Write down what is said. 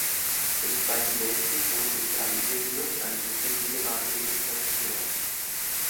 Im Zweiten Weltkrieg wurden durch die alliierten Luftangriffe viele Bahnhöfe zerstört.